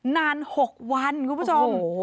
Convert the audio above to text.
นาน๖วันคุณผู้ชม